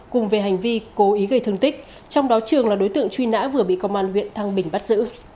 cùng về hành vi cố ý gây thương tích trong đó trường là đối tượng truy nã vừa bị công an huyện thăng bình bắt giữ